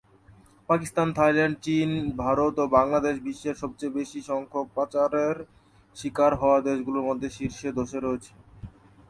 Pakistan, Thailand, চীন, ভারত ও বাংলাদেশ বিশ্বের সবচেয়ে বেশি সংখ্যক পাচারের শিকার হওয়া দেশগুলির মধ্যে শীর্ষ দশে রয়েছে।